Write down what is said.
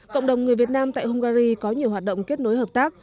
cộng đồng người việt nam tại hungary có nhiều hoạt động kết nối hợp tác